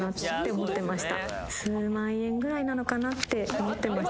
思ってました